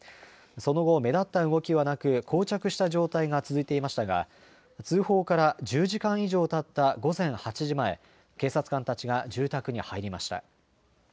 その後、目立った動きはなく、こう着した状態が続いていましたが、通報から１０時間以上たった午前８時前、警察官たちが住宅に入りました。